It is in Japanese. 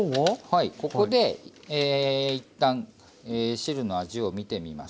はいここで一旦汁の味を見てみましょう。